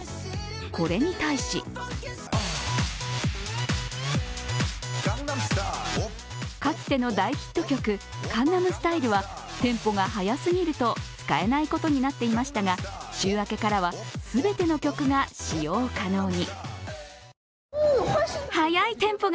これに対しかつての大ヒット曲「江南スタイル」はテンポが速すぎると使えないことになっていましたが、週明けからは全ての曲が使用可能に。